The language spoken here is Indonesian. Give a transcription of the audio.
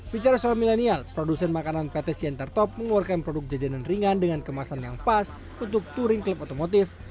bicara soal milenial produsen makanan pt sientertop mengeluarkan produk jajanan ringan dengan kemasan yang pas untuk touring klub otomotif